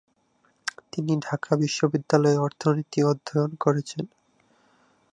তিনি ঢাকা বিশ্ববিদ্যালয়ে অর্থনীতি অধ্যয়ন করেছেন।